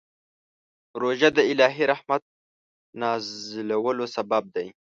روژه د الهي رحمت نازلولو سبب دی.